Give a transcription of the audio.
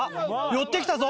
寄ってきたぞ。